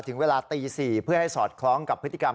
ถึงเวลาตี๔เพื่อให้สอดคล้องกับพฤติกรรม